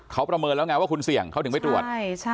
เขาประเมินแล้วไงว่าคุณเสี่ยงเขาถึงไปตรวจ